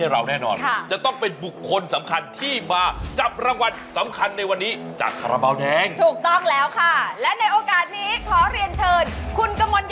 เยอะจริงมาหาศาลมากส่งมาได้ทุกประเภท